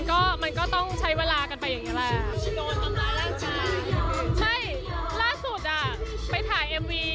จริงความสำคัญก็ปกตินะคะ